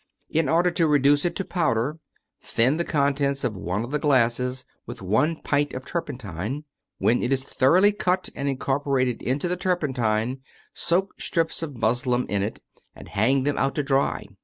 In order to reduce it to powder, thin the contents of one of the glasses with one pint of turpen tine. When it is thoroughly cut and incorporated into the turpentine, soak strips of muslin in it and hang them out to dry.